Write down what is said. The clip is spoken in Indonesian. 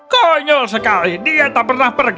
konyol sekali dia tak pernah pergi